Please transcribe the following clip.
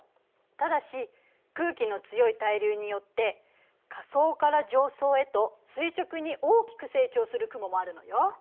ただし空気の強い対流によって下層から上層へと垂直に大きく成長する雲もあるのよ。